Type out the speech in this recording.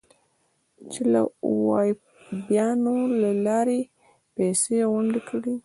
چې د وهابیانو له لارې پیسې غونډې کړي.